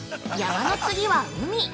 ◆山の次は海！